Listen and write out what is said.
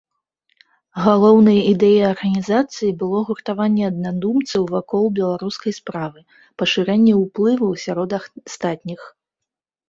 Галоўнай ідэяй арганізацыі было гуртаванне аднадумцаў вакол беларускай справы, пашырэнне ўплыву сярод астатніх.